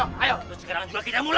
terus jika pasti juga kita mulai